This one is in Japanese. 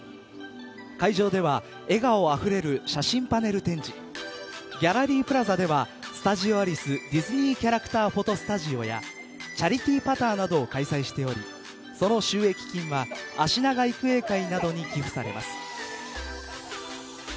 会場では笑顔あふれる写真パネル展示ギャラリープラザではスタジオアリスディズニーキャラクターフォトスタジオやチャリティーパターなどを開催しておりその収益金はあしなが育英会などに寄付されます。